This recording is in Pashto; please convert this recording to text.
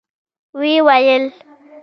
و يې ويل.